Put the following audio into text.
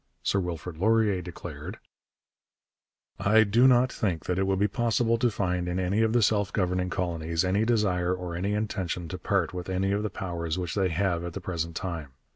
Sir Wilfrid Laurier declared: I do not think that it would be possible to find in any of the self governing colonies any desire or any intention to part with any of the powers which they have at the present time.